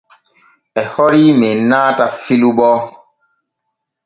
E hori men naata filu bo.